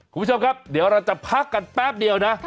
คุณผู้ชมครับเดี๋ยวเราจะพักกันแป๊บเดียวนะ